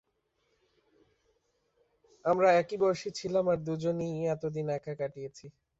আমরা একই বয়সী ছিলাম আর দুজনেই এতদিন একা কাটিয়েছি।